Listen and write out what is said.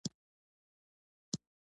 زه د املا تېروتنې اصلاح کوم.